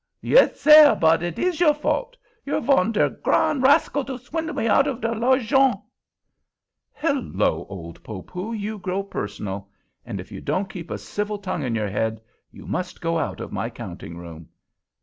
"Yes, sare, but it is your fault. You're von ver gran rascal to swindle me out of de l'argent." "Hello, old Poopoo, you grow personal; and if you can't keep a civil tongue in your head, you must go out of my counting room."